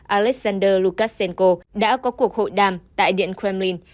alexander lukashenko đã có cuộc hội đàm tại điện kremlin